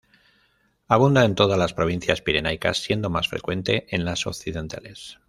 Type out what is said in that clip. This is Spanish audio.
Abunda en todas las provincias pirenaicas, siendo más frecuente en las occidentales.